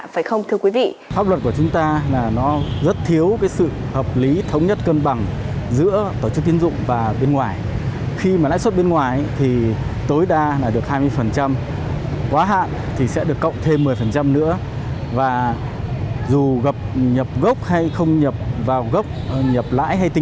phải trả phải không thưa quý vị